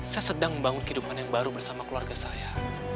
saya sedang membangun kehidupan yang baru bersama keluarga saya